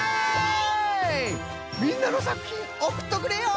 みんなのさくひんおくっとくれよ！